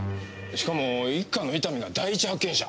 しかも一課の伊丹が第一発見者。